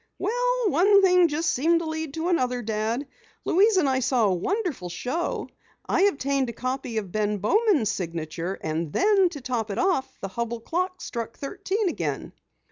"Well, one thing just seemed to lead to another, Dad. Louise and I saw a wonderful show, I obtained a copy of Ben Bowman's signature, and then to top it off, the Hubell clock struck thirteen again!"